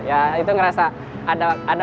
ya itu ngerasa ada